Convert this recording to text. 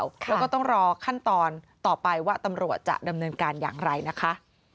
แล้วก็ต้องรอขั้นตอนต่อไปว่าตำรวจจะดำเนินการอย่างไรนะคะ